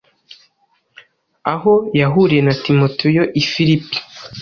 aho yahuriye na Timoteyo i Filipi.